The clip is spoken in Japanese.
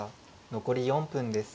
残り４分です。